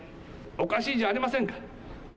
おかしいじゃありませんか。